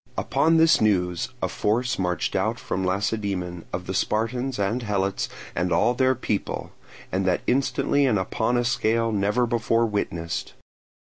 Upon this news a force marched out from Lacedaemon, of the Spartans and Helots and all their people, and that instantly and upon a scale never before witnessed.